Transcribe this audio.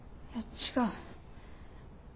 違う。